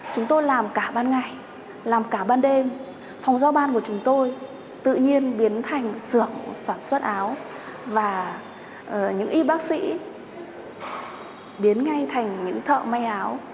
chúng tôi làm cả ban ngày làm cả ban đêm phòng giao ban của chúng tôi tự nhiên biến thành sưởng sản xuất áo và những y bác sĩ biến ngay thành những thợ may áo